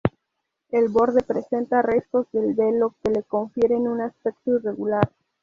El borde presenta restos del velo, que le confieren un aspecto irregular.